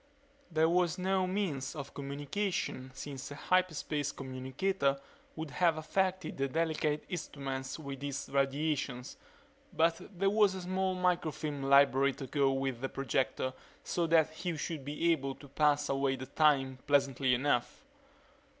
There was no means of communication since a hyperspace communicator would have affected the delicate instruments with its radiations but there was a small microfilm library to go with the projector so that he should be able to pass away the time pleasantly enough.